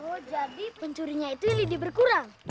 oh jadi pencurinya itu yang lebih berkurang